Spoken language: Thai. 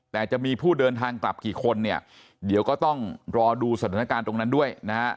แต่จะมีผู้เดินทางกลับกี่คนเนี่ยเดี๋ยวก็ต้องรอดูสถานการณ์ตรงนั้นด้วยนะฮะ